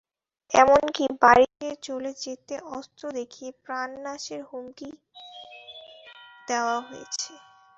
এমনকি বাড়ি ছেড়ে চলে যেতে অস্ত্র দেখিয়ে প্রাণনাশের হুমকি দেওয়া হয়েছে।